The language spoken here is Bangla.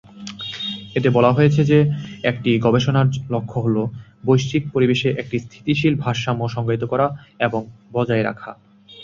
এতে বলা হয়েছে যে একটি গবেষণার লক্ষ্য হল বৈশ্বিক পরিবেশে একটি স্থিতিশীল ভারসাম্য সংজ্ঞায়িত করা এবং বজায় রাখা।